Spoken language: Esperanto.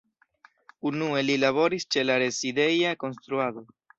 Unue li laboris ĉe la rezideja konstruado.